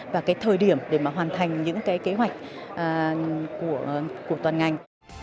và cái thời điểm để mà hoàn thành những cái kế hoạch của toàn ngành